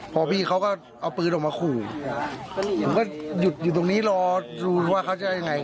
พอพี่เขาก็เอาปืนออกมาขู่ผมก็หยุดอยู่ตรงนี้รอดูว่าเขาจะยังไง